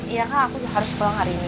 iya kan aku harus pulang hari ini